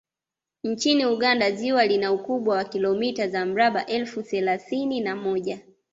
Nchini Uganda ziwa lina ukubwa wa kilomita za mraba elfu thelathini na moja